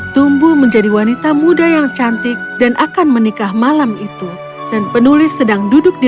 tumbuh menjadi wanita muda yang cantik dan akan menikah malam itu dan penulis sedang duduk di